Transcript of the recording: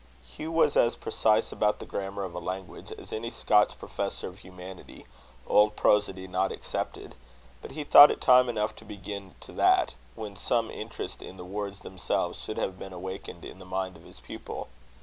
Hugh was as precise about the grammar of a language as any Scotch Professor of Humanity, old Prosody not excepted; but he thought it time enough to begin to that, when some interest in the words themselves should have been awakened in the mind of his pupil.